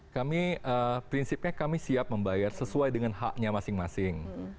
kami prinsipnya kami siap membayar sesuai dengan haknya masing masing